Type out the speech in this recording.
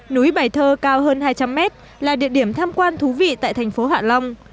núi bài thơ cao hơn hai trăm linh mét là địa điểm tham quan thú vị tại thành phố hạ long